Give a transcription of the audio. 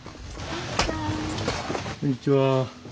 こんにちは。